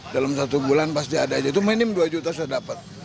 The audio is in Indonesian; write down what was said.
dalam satu bulan pasti ada aja itu minim dua juta saya dapat